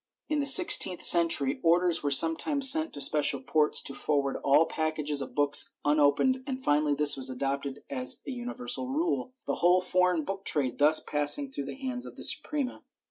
In the sixteenth century orders were sometimes sent to special ports to forward all pack ages of books unopened and finally this was adopted as a universal rule, the whole foreign book trade thus passing through the hands of the Suprema.